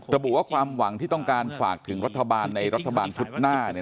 ระบุว่าความหวังที่ต้องการฝากถึงรัฐบาลในรัฐบาลพุธหน้าเนี่ย